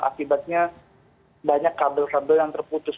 akibatnya banyak kabel kabel yang terputus